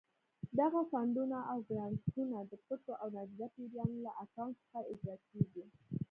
دغه فنډونه او ګرانټونه د پټو او نادیده پیریانو له اکاونټ څخه اجرا کېږي.